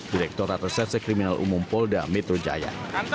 direkturat reserse kriminal umum polda metro jaya